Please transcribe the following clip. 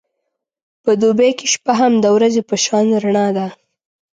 په دوبی کې شپه هم د ورځې په شان رڼا ده.